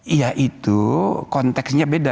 iya itu konteksnya beda